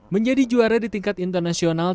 menjadi juara di tingkat internasional